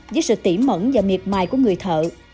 với sự tỉ mẫn và miệt mài của người thợ